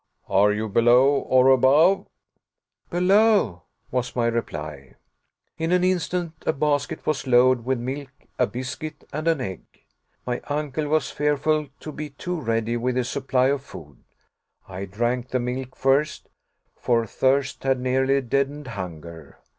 "Are you below or above?" "Below," was my reply. In an instant a basket was lowered with milk, a biscuit, and an egg. My uncle was fearful to be too ready with his supply of food. I drank the milk first, for thirst had nearly deadened hunger.